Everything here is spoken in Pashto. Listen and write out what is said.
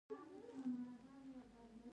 هغه د ګلونه په سمندر کې د امید څراغ ولید.